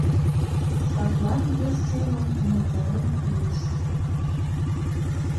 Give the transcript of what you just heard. Садлан вес семын умылтарен пуыш: